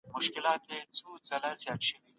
خپل نن ورځ په خوښۍ تیر کړه.